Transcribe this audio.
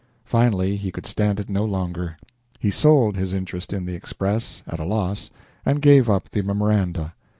Finally he could stand it no longer. He sold his interest in the "Express," at a loss, and gave up the "Memoranda."